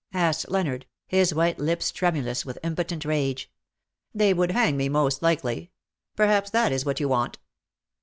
asked Leonard, his white lips tremulous with impotent rage. *^ They would hang me, most likely. Perhaps that is what you want."